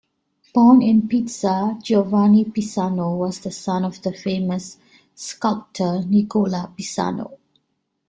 Born in Pisa, Giovanni Pisano was the son of the famous sculptor Nicola Pisano.